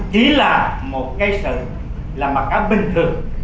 chỉ là một cái sự làm mặt cáo bình thường